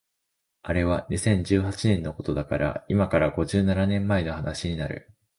あれは二千十八年のことだから今から五十七年前の話になる